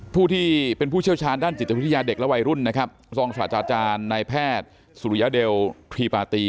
ผู้ที่เป็นผู้เชี่ยวชาญด้านจิตวิทยาเด็กและวัยรุ่นนะครับรองศาสตราจารย์นายแพทย์สุริยเดลพรีปาตี